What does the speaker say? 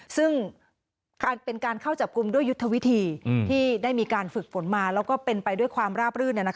ซึ่งเป็นการเข้าจับกลุ่มด้วยยุทธวิธีที่ได้มีการฝึกฝนมาแล้วก็เป็นไปด้วยความราบรื่น